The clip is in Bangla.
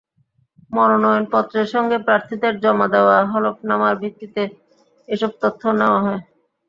মনোনয়নপত্রের সঙ্গে প্রার্থীদের জমা দেওয়া হলফনামার ভিত্তিতে এসব তথ্য নেওয়া হয়।